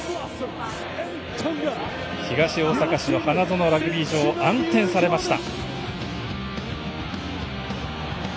東大阪市の花園ラグビー場暗転されました。